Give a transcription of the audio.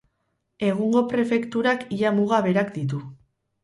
Egungo prefekturak ia muga berak ditu.